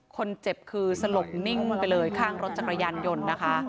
คนเจ็บคือสลบนิ่งไปเลยข้างรถจักรยานยนต์นะคะ